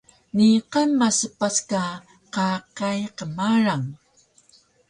Niqan maspac ka qaqay kmarang